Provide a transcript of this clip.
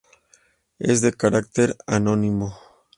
Es de carácter anónimo.